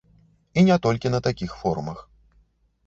І не толькі на такіх форумах.